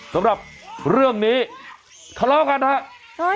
สำหรับเรื่องนี้ทะเลาะกันครับ